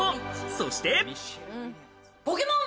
そして。